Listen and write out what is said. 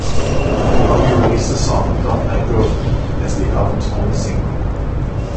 Columbia released the song "Don't Let Go of Me" as the album's only single.